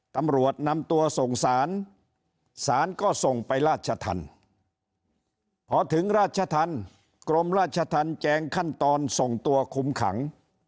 ตำรวจนำตัวส่งสารสารก็ส่งไปราชธรรมพอถึงราชธรรมกรมราชธรรมแจงขั้นตอนส่งตัวคุมขัง